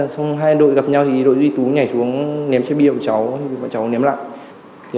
xong hai đội gặp nhau thì đội duy tú nhảy xuống ném chai bia của cháu thì bọn cháu ném lại